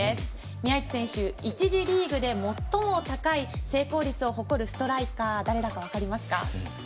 宮市選手、１次リーグで最も高い成功率を誇るストライカーは誰だか分かりますか？